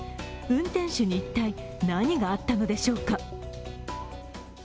運転手に一体何があったのでしょうか。